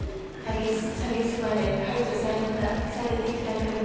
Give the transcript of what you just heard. さげすまれ排除されてきた人々。